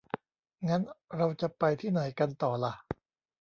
งั้น เราจะไปที่ไหนกันต่อล่ะ ?